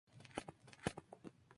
Murió porque la había olvidado.